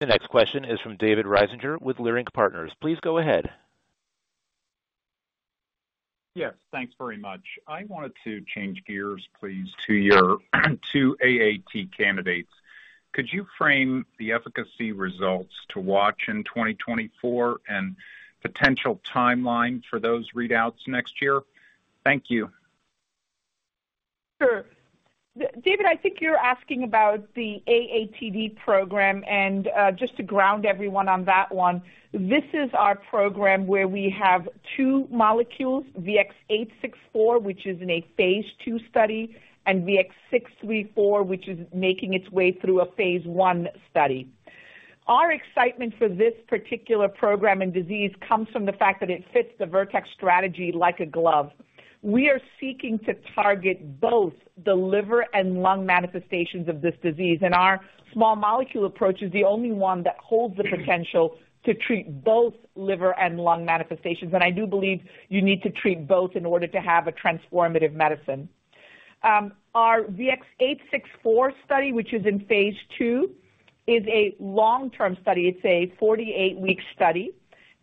The next question is from David Risinger with Leerink Partners. Please go ahead. Yes, thanks very much. I wanted to change gears, please, to your two AAT candidates. Could you frame the efficacy results to watch in 2024 and potential timeline for those readouts next year? Thank you. Sure. David, I think you're asking about the AATV program, just to ground everyone on that one, this is our program where we have two molecules, VX-864, which is in a phase 2 study, and VX-634, which is making its way through a phase 1 study. Our excitement for this particular program and disease comes from the fact that it fits the Vertex strategy like a glove. We are seeking to target both the liver and lung manifestations of this disease, our small molecule approach is the only one that holds the potential to treat both liver and lung manifestations. I do believe you need to treat both in order to have a transformative medicine. Our VX-864 study, which is in phase 2, is a long-term study. It's a 48-week study,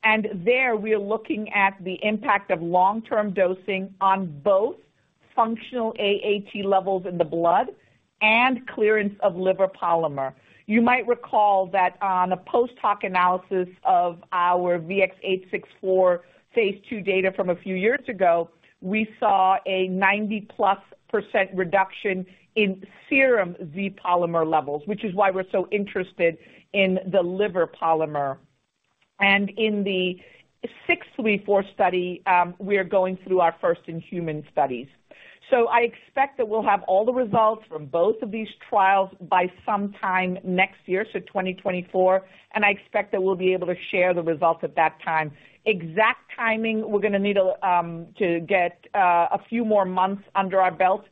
and there we are looking at the impact of long-term dosing on both functional AAT levels in the blood and clearance of liver polymer. You might recall that on a post-hoc analysis of our VX-864 phase 2 data from a few years ago, we saw a 90%+ reduction in serum Z-polymer levels, which is why we're so interested in the liver polymer. In the VX-634 study, we are going through our first in-human studies. I expect that we'll have all the results from both of these trials by sometime next year, so 2024, and I expect that we'll be able to share the results at that time. Exact timing, we're going to need to get a few more months under our belt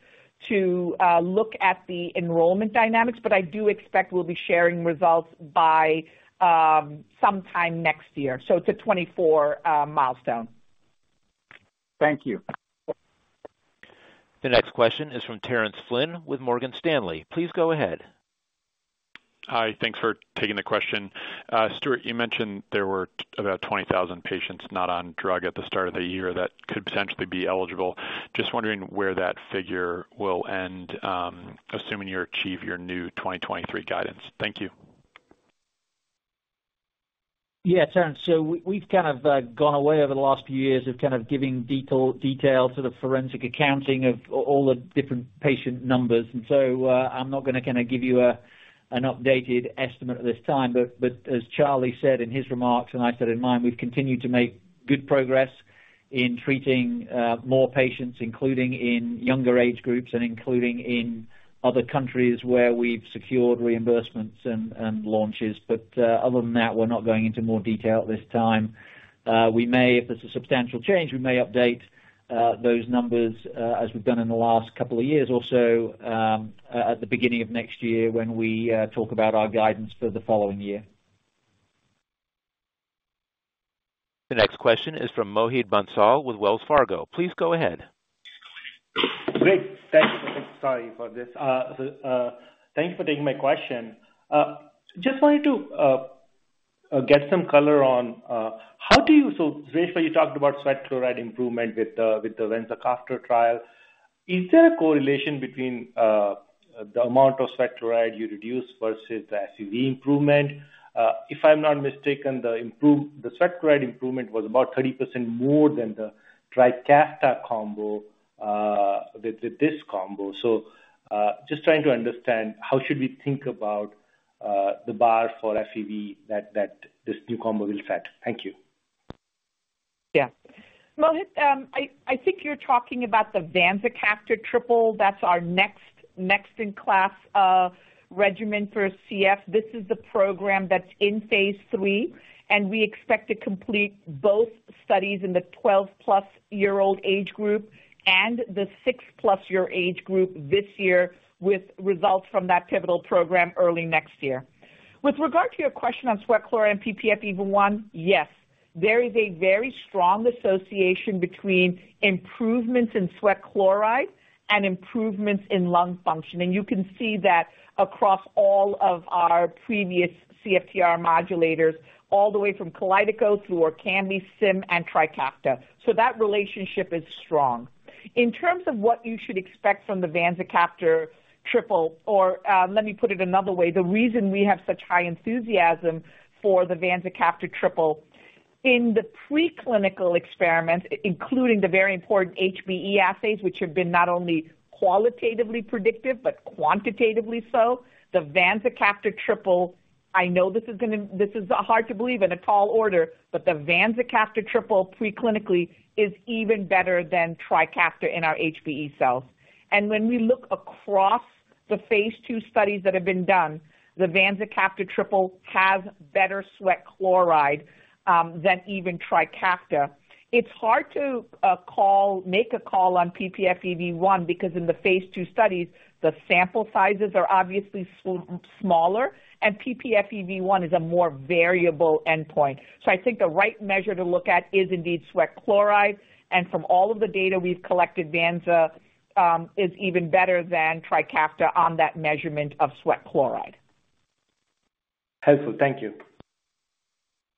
to look at the enrollment dynamics, but I do expect we'll be sharing results by sometime next year. It's a 2024 milestone. Thank you. The next question is from Terence Flynn with Morgan Stanley. Please go ahead. Hi, thanks for taking the question. Stuart, you mentioned there were about 20,000 patients not on drug at the start of the year that could potentially be eligible. Just wondering where that figure will end, assuming you achieve your new 2023 guidance. Thank you. Yeah, Terence. We've kind of gone away over the last few years of kind of giving detail, detail to the forensic accounting of all the different patient numbers. I'm not going to kind of give you an updated estimate at this time. But as Charlie said in his remarks and I said in mine, we've continued to make good progress in treating more patients, including in younger age groups and including in other countries where we've secured reimbursements and launches. Other than that, we're not going into more detail at this time. We may, if it's a substantial change, we may update those numbers as we've done in the last couple of years or so, at the beginning of next year, when we talk about our guidance for the following year. The next question is from Mohit Bansal with Wells Fargo. Please go ahead. Great, thanks. Sorry for this. Thank you for taking my question. Just wanted to get some color on how do you... So Reshma, you talked about sweat chloride improvement with the, with the vanzacaftor trial. Is there a correlation between the amount of sweat chloride you reduce versus the FEV improvement? If I'm not mistaken, the sweat chloride improvement was about 30% more than the Trikafta combo with this combo. Just trying to understand, how should we think about the bar for FEV that this new combo will set? Thank you. Yeah. Mohit, I, I think you're talking about the vanzacaftor triple. That's our next, next in-class regimen for CF. This is the program that's in phase 3, and we expect to complete both studies in the 12-plus-year-old age group and the 6-plus-year age group this year, with results from that pivotal program early next year. With regard to your question on sweat chloride and ppFEV1, yes, there is a very strong association between improvements in sweat chloride and improvements in lung function, and you can see that across all of our previous CFTR modulators, all the way from Kalydeco through Orkambi, Symdeko and Trikafta. That relationship is strong. In terms of what you should expect from the vanzacaftor triple, let me put it another way, the reason we have such high enthusiasm for the vanzacaftor triple. In the preclinical experiments, including the very important HBE assays, which have been not only qualitatively predictive but quantitatively so, the vanzacaftor triple, I know this is gonna this is hard to believe and a tall order, but the vanzacaftor triple preclinically is even better than Trikafta in our HBE cells. When we look across the phase 2 studies that have been done, the vanzacaftor triple has better sweat chloride than even Trikafta. It's hard to call, make a call on ppFEV1, because in the phase 2 studies, the sample sizes are obviously smaller, and ppFEV1 is a more variable endpoint. I think the right measure to look at is indeed sweat chloride, and from all of the data we've collected, vanza is even better than Trikafta on that measurement of sweat chloride. Helpful. Thank you.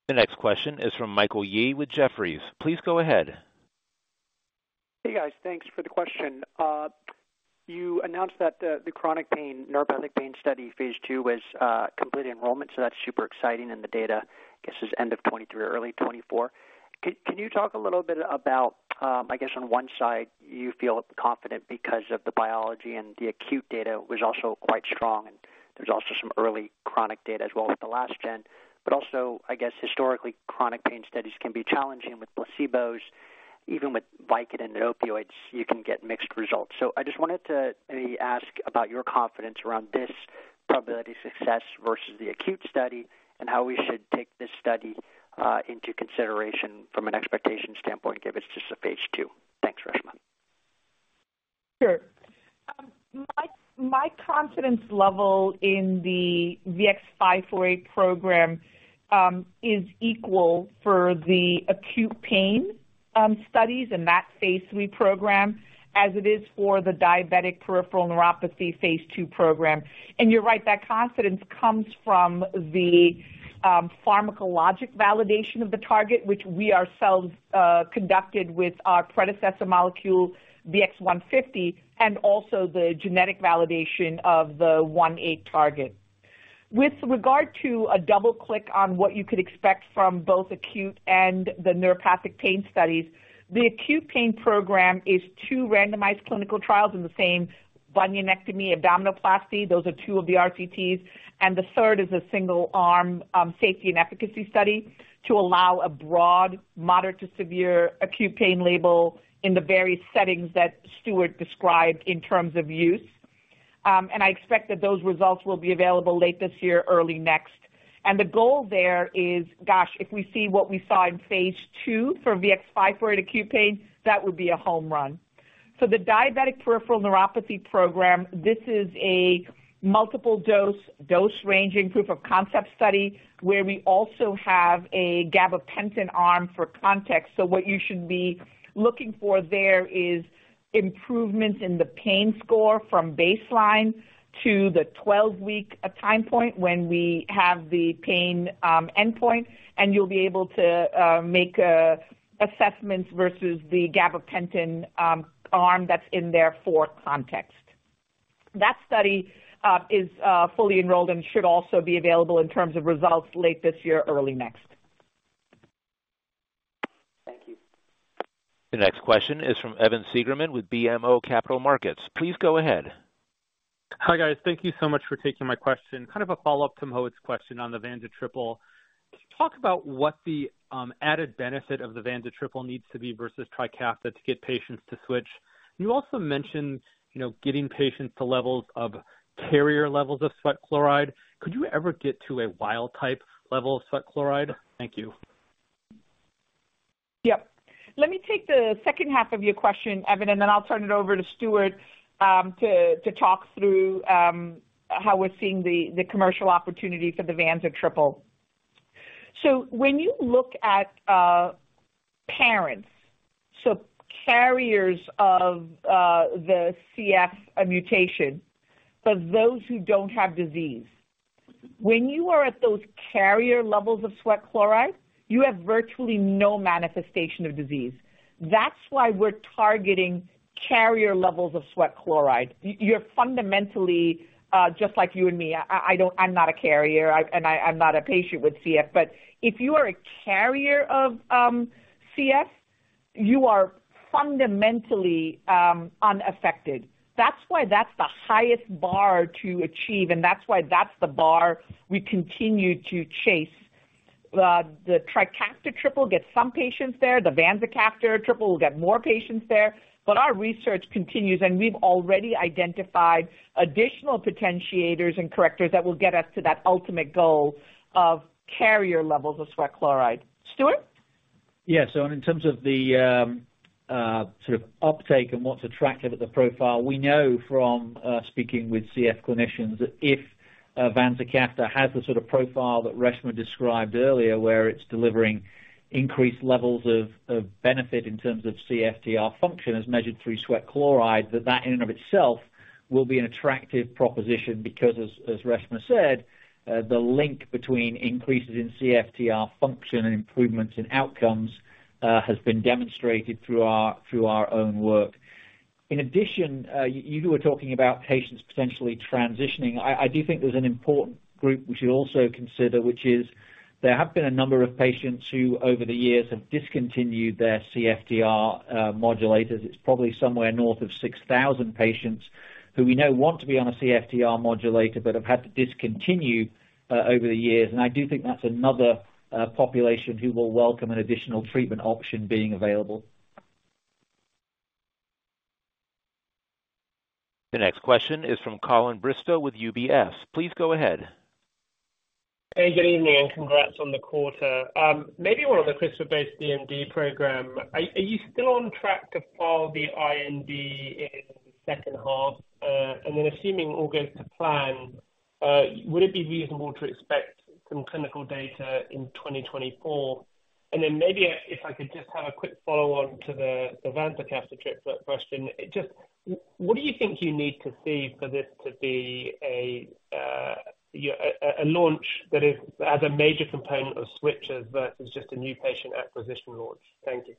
The next question is from Michael Yee with Jefferies. Please go ahead. Hey, guys. Thanks for the question. You announced that the, the chronic pain, neuropathic pain study phase two was completed enrollment, so that's super exciting. The data, I guess, is end of 2023 or early 2024. Can, can you talk a little bit about, I guess on one side, you feel confident because of the biology and the acute data was also quite strong, and there's also some early chronic data as well with the last gen. Also, I guess historically, chronic pain studies can be challenging with placebos. Even with Vicodin and opioids, you can get mixed results. I just wanted to maybe ask about your confidence around this probability of success versus the acute study, and how we should take this study into consideration from an expectation standpoint, given it's just a phase two. Thanks, Reshma. Sure. My, my confidence level in the VX-548 program is equal for the acute pain studies and that phase 3 program as it is for the diabetic peripheral neuropathy phase 2 program. You're right, that confidence comes from the pharmacologic validation of the target, which we ourselves conducted with our predecessor molecule, VX-150, and also the genetic validation of the one-eight target. With regard to a double-click on what you could expect from both acute and the neuropathic pain studies, the acute pain program is 2 randomized clinical trials in the same bunionectomy, abdominoplasty. Those are 2 of the RCTs. The third is a single-arm, safety and efficacy study to allow a broad, moderate to severe acute pain label in the various settings that Stuart described in terms of use. I expect that those results will be available late this year, early next. The goal there is, gosh, if we see what we saw in phase 2 for VX-548 acute pain, that would be a home run. For the diabetic peripheral neuropathy program, this is a multiple dose, dose-ranging proof of concept study, where we also have a gabapentin arm for context. What you should be looking for there is improvements in the pain score from baseline to the 12-week time point when we have the pain endpoint, and you'll be able to make assessments versus the gabapentin arm that's in there for context. That study is fully enrolled and should also be available in terms of results late this year, early next. Thank you. The next question is from Evan Seigerman with BMO Capital Markets. Please go ahead. Hi, guys. Thank you so much for taking my question. Kind of a follow-up to Mohit's question on the vanza triple. Can you talk about what the added benefit of the vanza triple needs to be versus Trikafta to get patients to switch? You also mentioned, you know, getting patients to levels of, carrier levels of sweat chloride. Could you ever get to a wild type level of sweat chloride? Thank you. Yep. Let me take the second half of your question, Evan, then I'll turn it over to Stuart Arbuckle, to, to talk through, how we're seeing the, the commercial opportunity for the vanza triple. When you look at, parents, so carriers of, the CF mutation, so those who don't have disease, when you are at those carrier levels of sweat chloride, you have virtually no manifestation of disease. That's why we're targeting carrier levels of sweat chloride. You're fundamentally, just like you and me. I'm not a carrier, and I'm not a patient with CF, but if you are a carrier of, CF, you are fundamentally, unaffected. That's why that's the highest bar to achieve, and that's why that's the bar we continue to chase. The Trikafta triple gets some patients there, the vanzacaftor triple will get more patients there. Our research continues, and we've already identified additional potentiators and correctors that will get us to that ultimate goal of carrier levels of sweat chloride. Stuart? In terms of the sort of uptake and what's attractive at the profile, we know from speaking with CF clinicians, that if vanzacaftor has the sort of profile that Reshma described earlier, where it's delivering increased levels of benefit in terms of CFTR function as measured through sweat chloride, that that in and of itself will be an attractive proposition. As, as Reshma said, the link between increases in CFTR function and improvements in outcomes has been demonstrated through our, through our own work. In addition, you were talking about patients potentially transitioning. I, I do think there's an important group we should also consider, which is there have been a number of patients who, over the years, have discontinued their CFTR modulators. It's probably somewhere north of 6,000 patients who we know want to be on a CFTR modulator, but have had to discontinue over the years. I do think that's another population who will welcome an additional treatment option being available. The next question is from Colin Bristow with UBS. Please go ahead. Hey, good evening, congrats on the quarter. Maybe one of the CRISPR-based DMD program. Are you still on track to file the IND in the second half? Then assuming all goes to plan, would it be reasonable to expect some clinical data in 2024? Then maybe if I could just have a quick follow-on to the vanzacaftor triplet question. Just, what do you think you need to see for this to be a, you know, a launch that is as a major component of switches versus just a new patient acquisition launch? Thank you.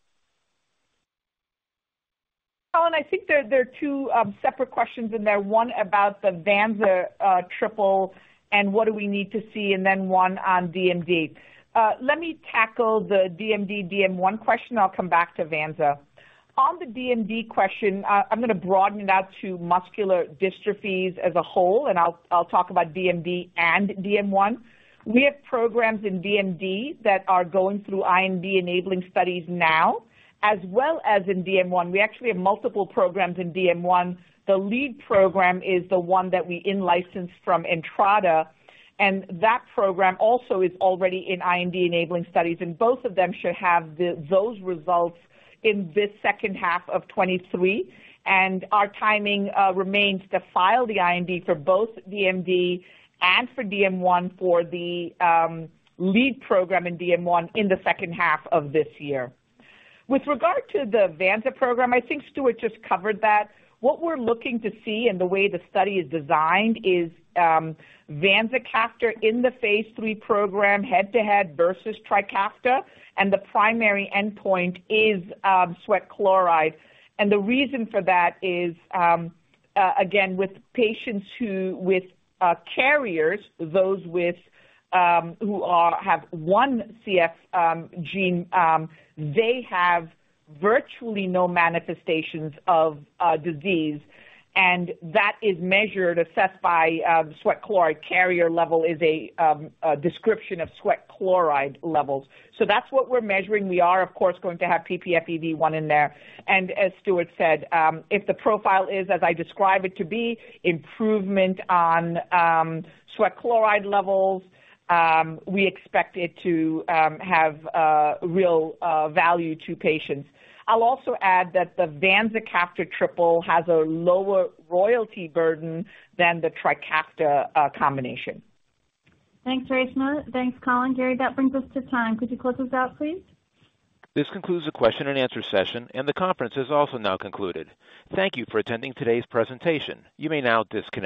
Colin, I think there, there are 2, separate questions in there. 1 about the vanza triple and what do we need to see, and then 1 on DMD. Let me tackle the DMD DM1 question, I'll come back to vanza. On the DMD question, I'm going to broaden it out to muscular dystrophies as a whole, and I'll, I'll talk about DMD and DM1. We have programs in DMD that are going through IND-enabling studies now, as well as in DM1. We actually have multiple programs in DM1. The lead program is the 1 that we in-licensed from Entrada, and that program also is already in IND-enabling studies, and both of them should have the, those results in this second half of 2023. Our timing remains to file the IND for both DMD and for DM1, for the lead program in DM1 in the second half of this year. With regard to the vanza program, I think Stuart just covered that. What we're looking to see and the way the study is designed is vanzacaftor in the phase 3 program, head-to-head versus Trikafta, and the primary endpoint is sweat chloride. The reason for that is again, with carriers, those with who have 1 CF gene, they have virtually no manifestations of disease, and that is measured, assessed by sweat chloride. Carrier level is a description of sweat chloride levels. That's what we're measuring. We are, of course, going to have ppFEV1 in there, and as Stuart said, if the profile is, as I describe it to be, improvement on sweat chloride levels, we expect it to have real value to patients. I'll also add that the vanzacaftor triple has a lower royalty burden than the Trikafta combination. Thanks, Reshma. Thanks, Colin. Gary, that brings us to time. Could you close us out, please? This concludes the question and answer session, and the conference is also now concluded. Thank you for attending today's presentation. You may now disconnect.